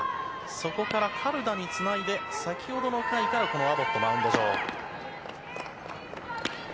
そこからカルダにつないで先ほどの回からアボット、マウンド上。